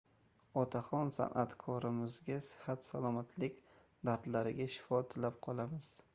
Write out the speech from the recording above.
Otaxon sanʼatkorimizga sihat-salomatlik, dardlariga shifo tilab qolamiz.